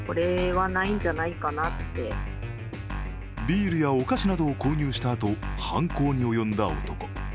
ビールやお菓子などを購入したあと犯行に及んだ男。